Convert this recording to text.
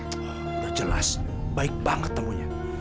sudah jelas baik banget tamunya